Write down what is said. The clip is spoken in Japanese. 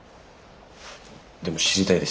でも知りたいです。